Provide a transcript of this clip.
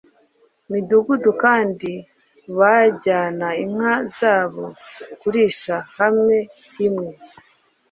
midugudu, kandi bajyana inka zabo kurisha hamwe. imwe